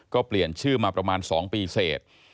ก็เปลี่ยนชื่อมาประมาณ๒ปีเสร็จ